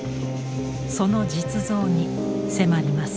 その実像に迫ります。